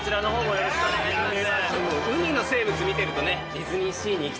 よろしくお願いします。